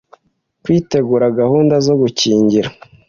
kwitegura gahunda zo gukingira